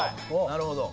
なるほど。